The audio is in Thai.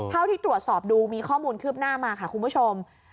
เท่าที่ตรวจสอบดูมีข้อมูลคืบหน้ามาค่ะคุณผู้ชม